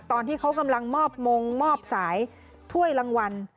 ตอนที่เขากำลังมอบมงมอบสายถ้วยรางวัล